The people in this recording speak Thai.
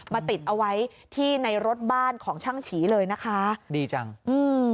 ติดเอาไว้ที่ในรถบ้านของช่างฉีเลยนะคะดีจังอืม